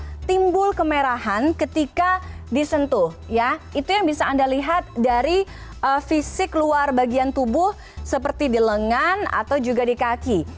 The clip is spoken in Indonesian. apakah timbul kemerahan ketika disentuh ya itu yang bisa anda lihat dari fisik luar bagian tubuh seperti di lengan atau juga di kaki